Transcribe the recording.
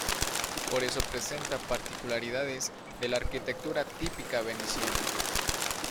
Por eso presenta particularidades de la arquitectura típica veneciana.